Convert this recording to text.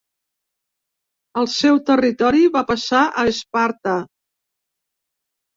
El seu territori va passar a Esparta.